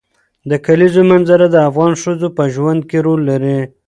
د کلیزو منظره د افغان ښځو په ژوند کې رول لري.